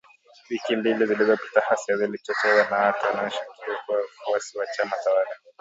Wiki mbili zilizopita ghasia zilizochochewa na watu wanaoshukiwa kuwa wafuasi wa chama tawala